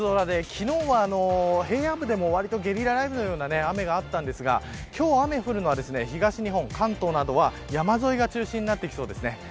今日は夏空で昨日は平野部でもわりとゲリラ雷雨のような雨があったんですが今日雨が降るのは東日本、関東など、山沿いが中心になってきそうですね。